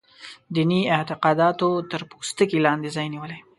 دیني اعتقاداتو تر پوستکي لاندې ځای نیولی.